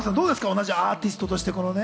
同じアーティストとして。